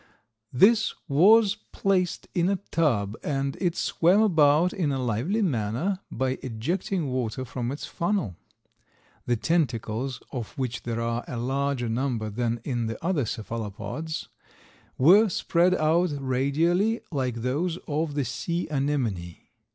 This was placed in a tub and it swam about in a lively manner by ejecting water from its funnel. The tentacles, of which there are a larger number than in the other cephalopods, were spread out radially, like those of the sea anemone.